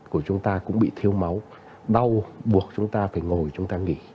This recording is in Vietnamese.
của chúng ta cũng bị thiếu máu đau buộc chúng ta phải ngồi chúng ta nghỉ